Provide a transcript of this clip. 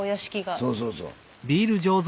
そうそうそう。